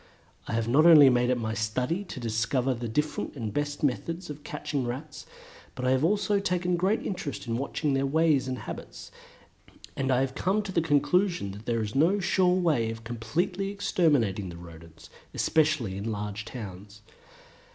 I have not only made it my study to discover the different and the best methods of catching Rats, but I have also taken great interest in watching their ways and habits, and I come to the conclusion that there is no sure way of completely exterminating the Rodents, especially in large towns.